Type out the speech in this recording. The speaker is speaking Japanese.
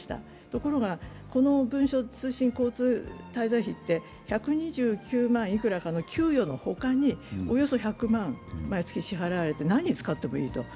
ところが、この文書通信交通滞在費って１２９万いくらかの給与の他に、およそ１００万、毎月支払われて、何に使ってもいいと。